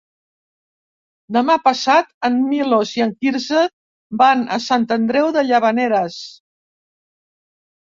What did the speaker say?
Demà passat en Milos i en Quirze van a Sant Andreu de Llavaneres.